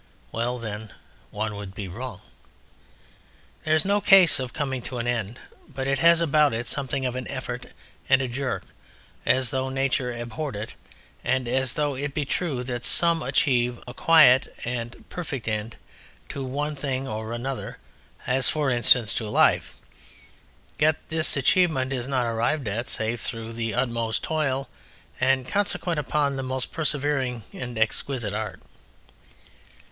Well then, one would be wrong. There is no case of Coming to an End but has about it something of an effort and a jerk, as though Nature abhorred it, and though it be true that some achieve a quiet and a perfect end to one thing or another (as, for instance, to Life), yet this achievement is not arrived at save through the utmost toil, and consequent upon the most persevering and exquisite art.